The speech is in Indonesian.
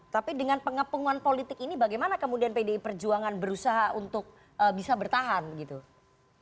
tapi dengan pengepungan politik ini bagaimana kemudian pdi perjuangan berusaha untuk bisa bertahan gitu